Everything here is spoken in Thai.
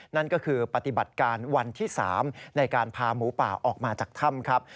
นั่นก็คือปฏิบัติการวันที่๓ในการพาหมูป่าออกมาจากถ้ำครับ